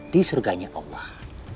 di surganya allah